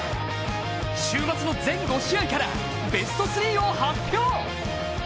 週末の全５試合からベスト３を発表。